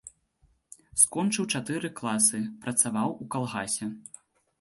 Скончыў чатыры класы, працаваў у калгасе.